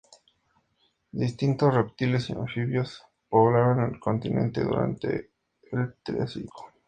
Distintos reptiles y anfibios poblaban el continente durante el Triásico.